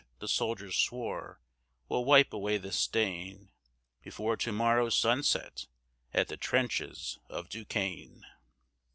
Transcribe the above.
the soldiers swore, "we'll wipe away the stain Before to morrow's sunset, at the trenches of Duquesne."